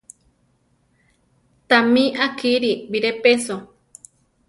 Tamí á kiri biré peso.